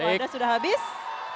baik waktu anda sudah habis